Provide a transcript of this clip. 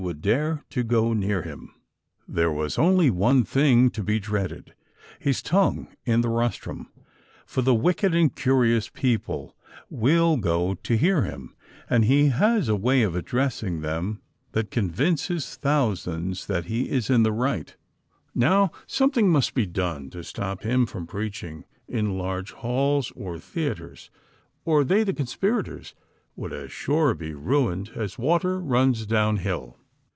would dare to go near him. There wns only one thing to be dreaded, his tongue in the rostrum ; for the wicked and curious " people " icill go to hear him, and he has a way of addressing them that THE CONSPIKATORS AND LOVERS. 107 convinces thousands that he is in the right, iSTow, some thing must be done to stop him from preacliing in large halls, or theatres, or they (tlie conspirators) would as sure be ruined as Avater runs down hill.